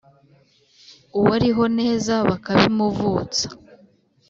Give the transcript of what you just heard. Uwariho neza bakabimuvutsa